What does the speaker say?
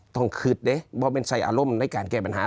ต้องคิดดิว่าเป็นใส่อารมณ์ในการแก้ปัญหา